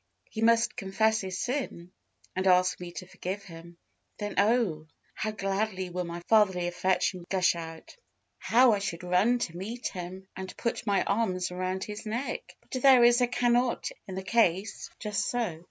He must confess his sin, and ask me to forgive him. Then, oh! how gladly will my fatherly affection gush out! How I should run to meet him, and put my arms around his neck! but there is a 'cannot' in the case." Just so.